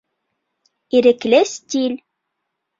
Ирекле стиль